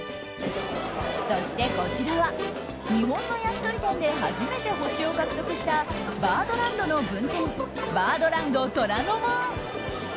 そしてこちらは日本の焼き鳥店で初めて星を獲得したバードランドの分店バードランド虎ノ門。